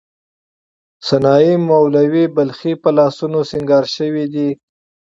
سنايي، مولوی بلخي په لاسونو سینګار شوې دي.